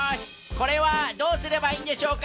これはどうすればいいんでしょうか？